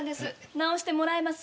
直してもらえます？